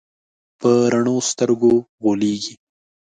په رڼو سترګو غولېږي.